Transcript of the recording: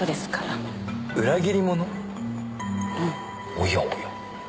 おやおや。